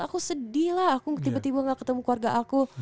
aku sedih lah aku tiba tiba gak ketemu keluarga aku